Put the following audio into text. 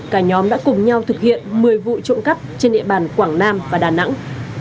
cả nhóm đã cùng nhau thực hiện một mươi vụ trộm cắp trên địa bàn quảng nam và đà nẵng